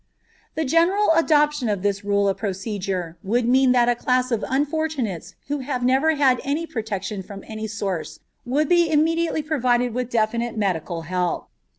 The general adoption of this rule of procedure would mean that a class of unfortunates who have never had any protection from any source would be immediately provided with definite medical help.